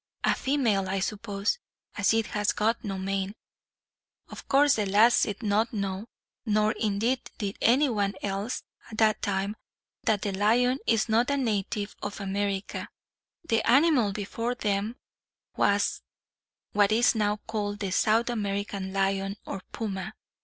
A female, I suppose, as it has got no mane." Of course the lads did not know, nor indeed did anyone else, at that time, that the lion is not a native of America. The animal before them was what is now called the South American lion, or puma.